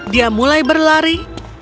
dia mulai berlari